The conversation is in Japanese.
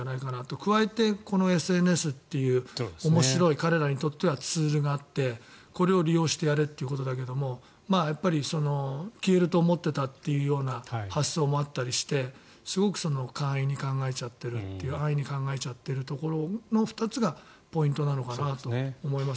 加えてこのＳＮＳという面白い彼らにとってはツールがあってこれを利用してやれということだけども消えると思っていたというような発想もあったりしてすごく安易に考えちゃっているところの２つがポイントなのかなと思います。